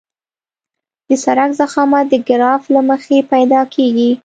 د سرک ضخامت د ګراف له مخې پیدا کیږي